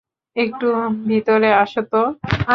একটু ভিতরে আসো তো?